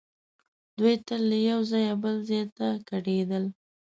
دوی تل له یو ځایه بل ځای ته کډېدل.